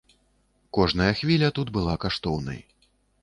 Кожная хвіля тут была каштоўнай.